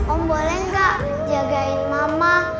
om boleh nggak jagain mama